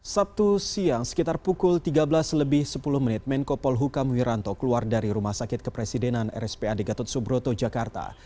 sabtu siang sekitar pukul tiga belas lebih sepuluh menit menko polhukam wiranto keluar dari rumah sakit kepresidenan rspad gatot subroto jakarta